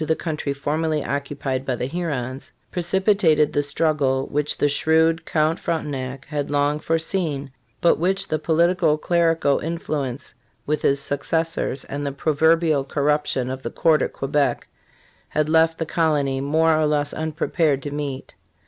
the country formerly occupied by the Hurons precipitated the struggle which the shrewd Count Frontenac had long foreseen, but which the politi co clerical influence with his successors and the proverbial corruption of the court at Quebec had left the colony more or less unprepared to meet.